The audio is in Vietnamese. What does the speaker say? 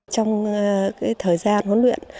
trong thời gian huấn luyện